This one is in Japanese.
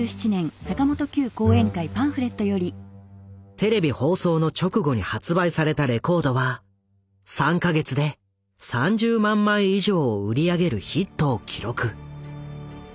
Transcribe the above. テレビ放送の直後に発売されたレコードは３か月で３０万枚以上を売り上げるヒットを記録。